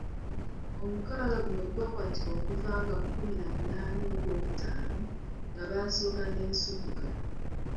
Omukaaga guno gwakwatibwa okuva nga kumi na munaana ogw'okutaano nga baasooka ne Nsubuga.